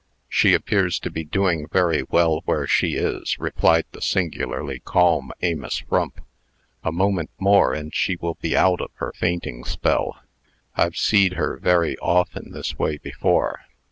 "She appears to be doing very well where she is," replied the singularly calm Amos Frump. "A moment more, and she will be out of her fainting spell. I've seed her very often this way before."